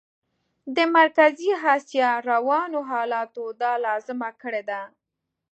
د مرکزي اسیا روانو حالاتو دا لازمه کړې ده.